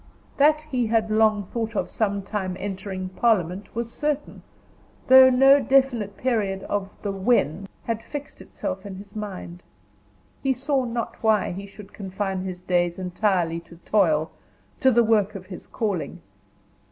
That he had long thought of some time entering parliament was certain, though no definite period of the "when" had fixed itself in his mind. He saw not why he should confine his days entirely to toil, to the work of his calling.